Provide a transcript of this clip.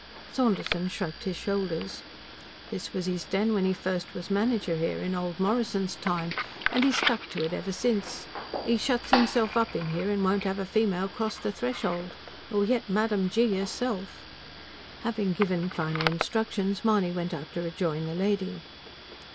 Saunderson shrugged his shoulders. "This was his den when he first was manager here, in old Morrison's time, and he's stuck to it ever since. He shuts himself up in here, and won't have a female cross the threshold nor yet Madam G. herself." Having given final instructions, Mahony went out to rejoin the lady.